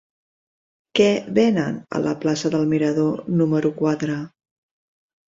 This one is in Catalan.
Què venen a la plaça del Mirador número quatre?